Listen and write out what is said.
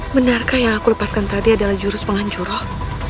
benarkah yang aku lepaskan tadi adalah jurus penghancur roh